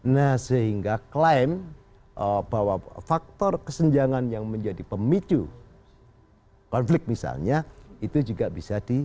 nah sehingga klaim bahwa faktor kesenjangan yang menjadi pemicu konflik misalnya itu juga bisa di